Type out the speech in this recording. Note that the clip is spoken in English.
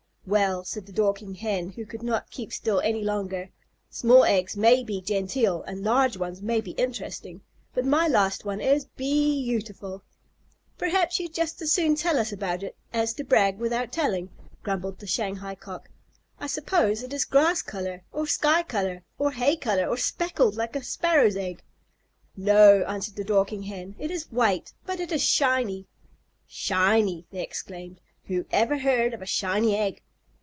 "Well," said the Dorking Hen, who could not keep still any longer, "small eggs may be genteel and large ones may be interesting, but my last one is bee autiful." "Perhaps you'd just as soon tell us about it as to brag without telling?" grumbled the Shanghai Cock. "I suppose it is grass color, or sky color, or hay color, or speckled, like a sparrow's egg." "No," answered the Dorking Hen, "it is white, but it is shiny." "Shiny!" they exclaimed. "Who ever heard of a shiny egg?"